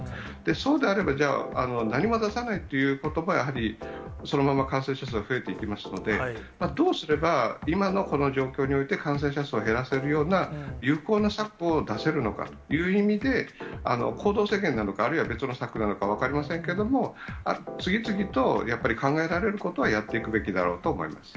そうであれば、じゃあ、何も出さないということもやはりそのまま感染者数が増えていきますので、どうすれば今のこの状況において感染者数を減らせるような、有効な策を出せるのかという意味で、行動制限なのか、あるいは別の策なのか分かりませんけれども、次々とやっぱり、考えられることはやっていくべきだろうと思います。